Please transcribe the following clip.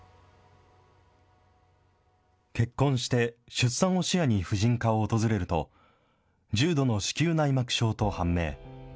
結婚して、出産を視野に婦人科を訪れると、重度の子宮内膜症と判明。